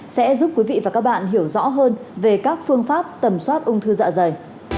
sẽ giúp quý vị và các bạn hiểu rõ hơn về các phương pháp tầm soát ung thư dạ dày